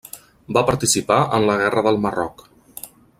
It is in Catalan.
Va participar en la Guerra del Marroc.